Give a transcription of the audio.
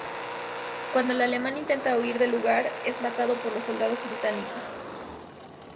Cuando el alemán intenta huir del lugar es matado por los soldados británicos.